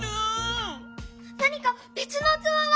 何かべつのうつわは？